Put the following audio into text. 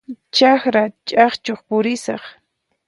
Chakra ch'aqchuq purisaq.